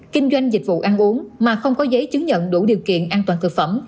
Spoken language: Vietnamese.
kinh doanh dịch vụ ăn uống mà không có giấy chứng nhận đủ điều kiện an toàn thực phẩm